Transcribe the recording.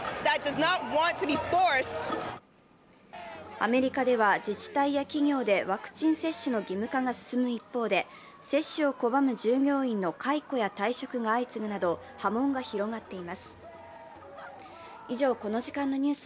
アメリカでは自治体や企業でワクチン接種の義務化が進む一方で、接種を拒む従業員の解雇や退職が相次ぐなど波紋が広がっています。